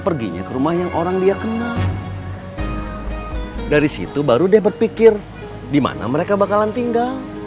perginya ke rumah yang orang dia kenal dari situ baru dia berpikir dimana mereka bakalan tinggal